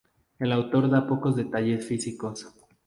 El autor da pocos detalles físicos.